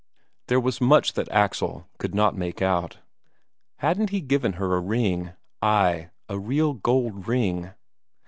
There was much that Axel could not make out. Hadn't he given her a ring ay, a real gold ring?